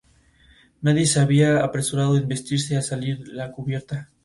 Sin embargo, el abogado alega inocencia, y dice que estaba protegiendo a la víctima.